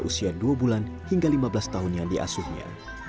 usia dua bulan hingga lima belas tahun yang diasuhnya